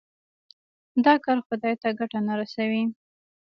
دا کار خدای ته ګټه نه رسوي.